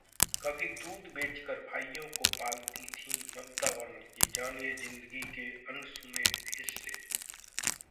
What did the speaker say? कभी दूध बेचकर भाइयों को पालती थीं ममता बनर्जी, जानिए जिंदगी के अनसुने किस्से